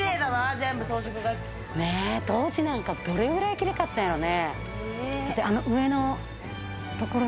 当時なんか、どれくらい綺麗かったんやろうね。